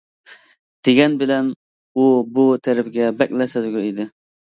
دېگەن بىلەن ئۇ بۇ تەرىپىگە بەكلا سەزگۈر ئىدى.